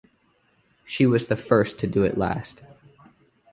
She was the First to do it last.